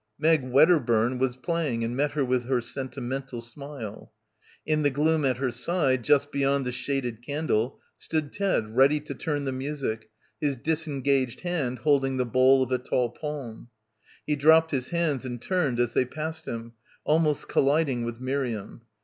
Meg Wedderburn was playing and met her with her sentimental smile. In the gloom at her side, just beyond the shaded candle, stood Ted ready to turn the music, his disengaged hand holding the bole of a tall palm. He dropped his hands and turned as they passed him, almost colliding with Miriam.